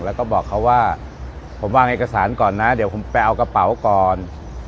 แล้วก็บอกเขาว่าผมวางเอกสารก่อนนะเดี๋ยวผมไปเอากระเป๋าก่อน